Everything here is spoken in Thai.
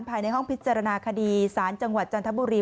ภายในห้องพิจารณาคดีศาลจังหวัดจันทบุรี